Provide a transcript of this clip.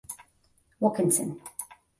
Wilkinson.